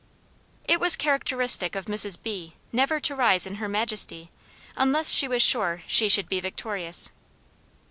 It was characteristic of Mrs. B. never to rise in her majesty, unless she was sure she should be victorious.